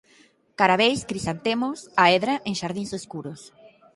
Caraveis, crisantemos, a hedra en xardíns escuros.